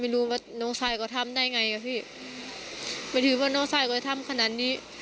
ไม่รู้ว่าน้องชายเขาทำได้ไงกับพี่ไม่ถือว่าน้องชายเขาจะทำขนาดนี้